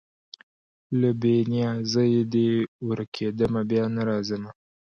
له بې نیازیه دي ورکېږمه بیا نه راځمه